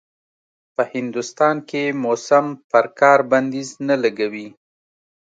په هندوستان کې موسم پر کار بنديز نه لګوي.